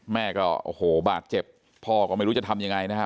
แม่ก็โอ้โหบาดเจ็บพ่อก็ไม่รู้จะทำยังไงนะฮะ